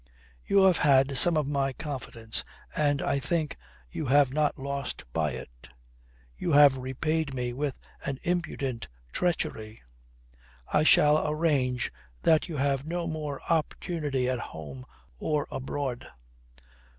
"You have had some of my confidence and I think you have not lost by it. You have repaid me with an impudent treachery. I shall arrange that you have no more opportunity at home or abroad."